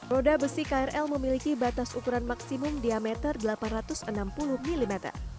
roda besi krl memiliki batas ukuran maksimum diameter delapan ratus enam puluh mm